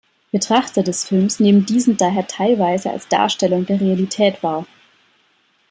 Betrachter des Films nehmen diesen daher teilweise als Darstellung der Realität wahr.